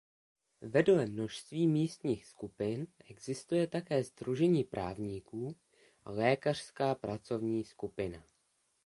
Vedle množství místních skupin existuje také sdružení právníků a lékařská pracovní skupina.